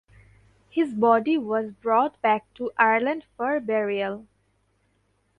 His body was brought back to Ireland for burial.